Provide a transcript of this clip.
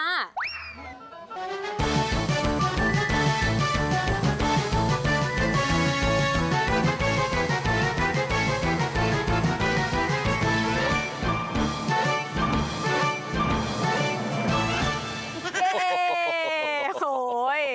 เย่โอ๊ย